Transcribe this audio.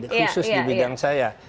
khusus di bidang saya